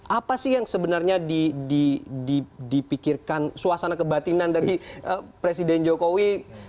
apa sih yang sebenarnya dipikirkan suasana kebatinan dari presiden jokowi